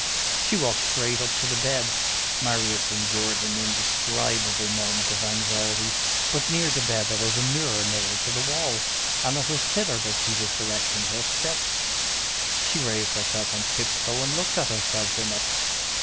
She walked straight up to the bed. Marius endured an indescribable moment of anxiety; but near the bed there was a mirror nailed to the wall, and it was thither that she was directing her steps. She raised herself on tiptoe and looked at herself in it.